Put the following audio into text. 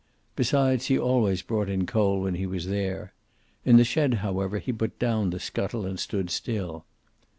Besides, he always brought in coal when he was there. In the shed, however, he put down the scuttle and stood still.